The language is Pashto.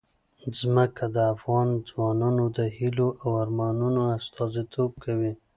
ځمکه د افغان ځوانانو د هیلو او ارمانونو استازیتوب کوي.